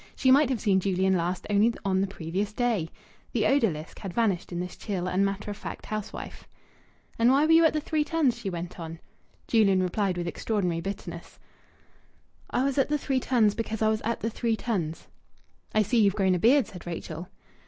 She might have seen Julian last only on the previous day! The odalisque had vanished in this chill and matter of fact housewife. "And why were you at the 'Three Tuns'?" she went on. Julian replied with extraordinary bitterness "I was at the 'Three Tuns' because I was at the 'Three Tuns.'" "I see you've grown a beard," said Rachel.